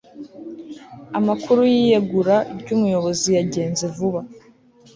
amakuru y'iyegura ry'umuyobozi yagenze vuba